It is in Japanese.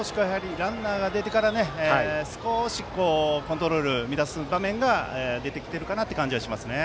ランナーが出てから少しコントロールを乱す場面が出てきている感じがしますね。